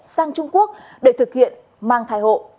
sang trung quốc để thực hiện mang thai hộ